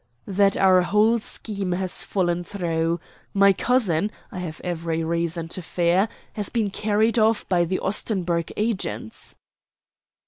"That our whole scheme has fallen through. My cousin, I have every reason to fear, has been carried off by the Ostenburg agents."